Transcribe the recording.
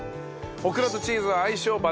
オクラとチーズは相性抜群。